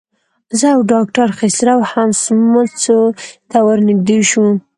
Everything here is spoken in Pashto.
زه او ډاکټر خسرو هم سموڅې ته ورنږدې شو.